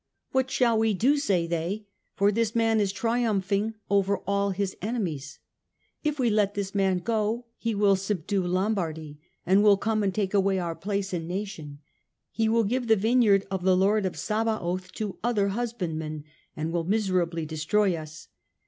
' What shall we do, 5 say they, * for this man is triumphing over all his enemies ? If we let this man go, he will subdue Lombardy, and will come and take away our place and nation ; he will give the vineyard of the Lord of Sabaoth to other husband men and will miserably destroy us.